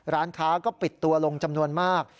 ร้านค้าก็ปิดตัวลงจำนวนมาก